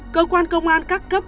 cơ quan công an các cấp